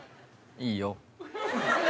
いいよ。